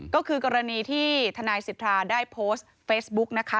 ก็คือกรณีที่ทนายสิทธาได้โพสต์เฟซบุ๊กนะคะ